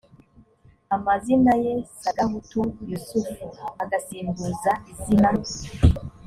amazina ye sagahutu yusufu agasimbuza izina